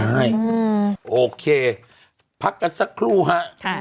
ใช่โอเคพักกันสักครู่ฮะ